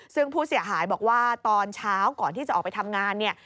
ซึ่งผู้เสียหายบอกว่าตอนเช้าก่อนที่จะออกไปทำงานเนี่ย